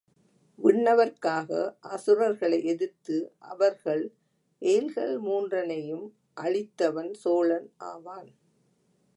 விண்ணவர்க்காக அசுரர்களை எதிர்த்து அவர்கள் எயில்கள் மூன்றனையும் அழித்தவன் சோழன் ஆவான்.